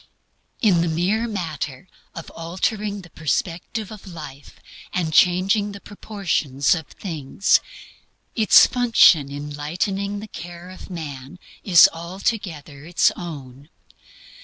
In the mere matter of altering the perspective of life and changing the proportions of things, its function in lightening the care of man is altogether its own.